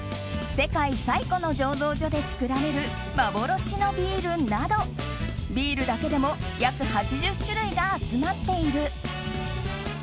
世界最古の醸造所で造られる幻のビールなどビールだけでも約８０種類が集まっている。